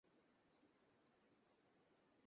Uncle Martin বাইরে আছে।